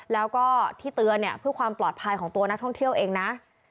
แล้วก็ที่เตือนเนี่ยเพื่อความปลอดภัยของตัวนักท่องเที่ยวเองนะ